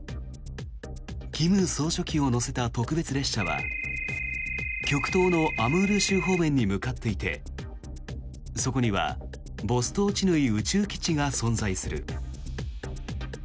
金総書記を乗せた特別列車は極東のアムール州方面に向かっていてそこにはボストーチヌイ宇宙基地が存在する。